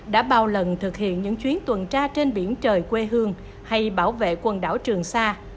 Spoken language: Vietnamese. đã bao lần thực hiện những chuyến tuần tra trên biển trời quê hương hay bảo vệ quần đảo trường sa